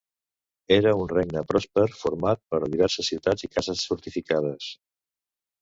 Era un regne pròsper format per diverses ciutats i cases fortificades.